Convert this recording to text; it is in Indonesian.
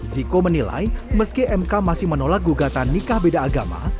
ziko menilai meski mk masih menolak gugatan nikah beda agama